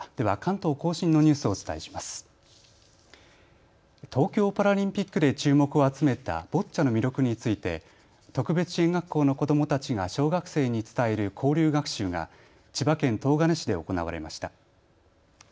東京パラリンピックで注目を集めたボッチャの魅力について特別支援学校の子どもたちが小学生に伝える交流学習が千葉県東金市で行われました。